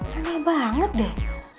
gak ada banget deh